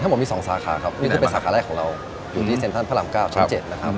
หมดมี๒สาขาครับนี่คือเป็นสาขาแรกของเราอยู่ที่เซ็นทรัลพระราม๙ชั้น๗นะครับ